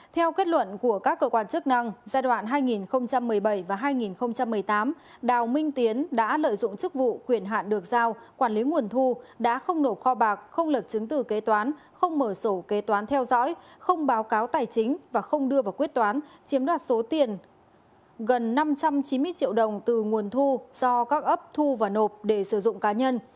theo kết luận của các cơ quan chức năng giai đoạn hai nghìn một mươi bảy và hai nghìn một mươi tám đào minh tiến đã lợi dụng chức vụ quyển hạn được giao quản lý nguồn thu đã không nộp kho bạc không lật chứng từ kế toán không mở sổ kế toán theo dõi không báo cáo tài chính và không đưa vào quyết toán chiếm đoạt số tiền gần năm trăm chín mươi triệu đồng từ nguồn thu do các ấp thu và nộp để sử dụng cá nhân